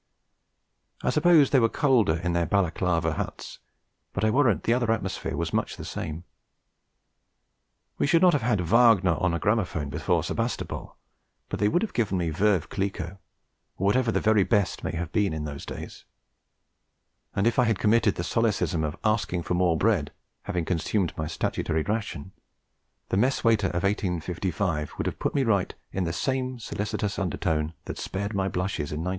I suppose they were colder in their Balaclava huts, but I warrant the other atmosphere was much the same. We should not have had Wagner on a gramophone before Sebastopol; but they would have given me Veuve Cliquot, or whatever the very best may have been in those days; and if I had committed the solecism of asking for more bread, having consumed my statutory ration, the mess waiter of 1855 would have put me right in the same solicitous undertone that spared my blushes in 1918.